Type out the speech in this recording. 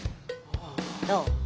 どう？